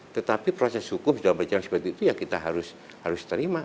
tetapi proses hukum sudah berjalan seperti itu ya kita harus terima